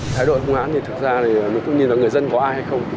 thái độ ngã thì thực ra mình cũng nhìn vào người dân có ai hay không